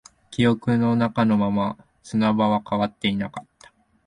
記憶の中のまま、砂場は変わっていなかった